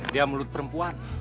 dia mulut perempuan